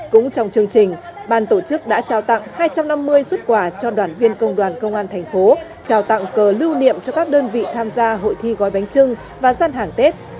cũng trong chương trình ban tổ chức đã trao tặng hai trăm năm mươi xuất quà cho đoàn viên công đoàn công an thành phố trao tặng cờ lưu niệm cho các đơn vị tham gia hội thi gói bánh trưng và gian hàng tết